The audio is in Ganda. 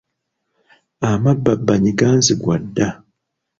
Amabbabbanyi ganzigwa dda.